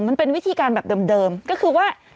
มันเป็นวิธีการแบบเดิมก็คือว่า